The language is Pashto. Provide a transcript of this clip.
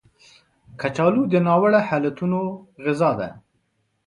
کچالو د ناوړه حالتونو غذا ده